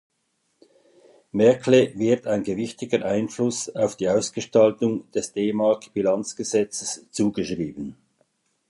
Merkle wird ein gewichtiger Einfluss auf die Ausgestaltung des D-Mark-Bilanzgesetzes zugeschrieben.